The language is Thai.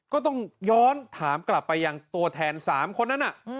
ก็ต้องย้อนถามกลับไปยังตัวแทน๓คนนั้น